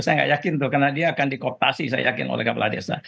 saya nggak yakin tuh karena dia akan dikooptasi saya yakin oleh kepala desa